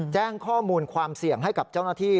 แจ้งข้อมูลความเสี่ยงให้กับเจ้าหน้าที่